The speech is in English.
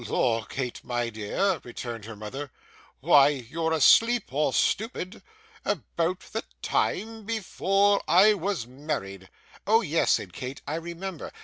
'Lor, Kate, my dear,' returned her mother, 'why, you're asleep or stupid! About the time before I was married.' 'Oh yes!' said Kate, 'I remember.